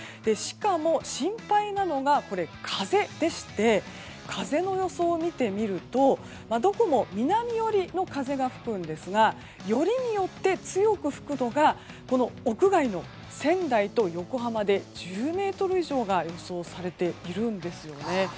しかも、心配なのが風でして、風の予想を見てみるとどこも南寄りの風が吹くんですがよりによって強く吹くのが屋外の仙台と横浜で１０メートル以上が予想されているんですね。